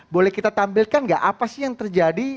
boleh kita tampilkan nggak apa sih yang terjadi